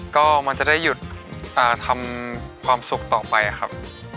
ก็มันจะได้หยุดทำความสุขต่อไปครับ